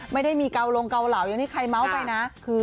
ไม่ได้มีเกาลงเกาเหลาอย่างที่ใครเมาส์ไปนะ